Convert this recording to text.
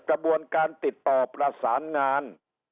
กระบวนการติดต่อประสานงาน